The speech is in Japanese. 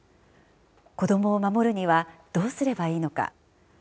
子どもを守るにはどうすればいいのか。